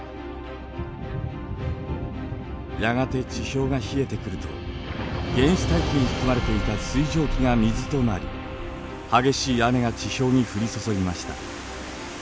やがて地表が冷えてくると原始大気に含まれていた水蒸気が水となり激しい雨が地表に降り注ぎました。